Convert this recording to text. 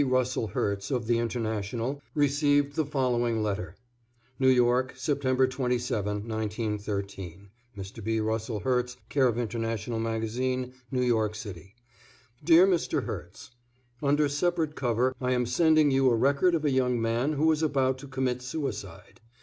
Russell Herts, of "The International," received the following letter: New York, Sept. 27, 1913. Mr. B. Russell Herts, c/o International Magazine, New York City. Dear Mr. Herts: Under separate cover I am sending you a record of a young man who is about to commit suicide.